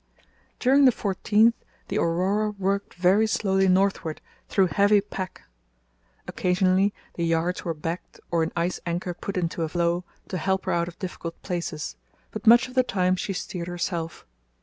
During the 14th the Aurora worked very slowly northward through heavy pack. Occasionally the yards were backed or an ice anchor put into a floe to help her out of difficult places, but much of the time she steered herself.